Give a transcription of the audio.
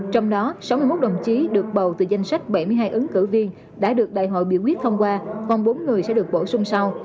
trong đó sáu mươi một đồng chí được bầu từ danh sách bảy mươi hai ứng cử viên đã được đại hội biểu quyết thông qua còn bốn người sẽ được bổ sung sau